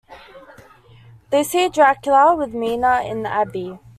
They see Dracula with Mina in the abbey.